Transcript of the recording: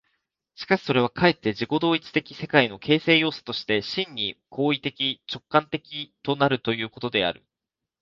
しかしそれはかえって自己同一的世界の形成要素として、真に行為的直観的となるということである。